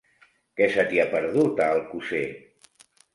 Què se t'hi ha perdut, a Alcosser?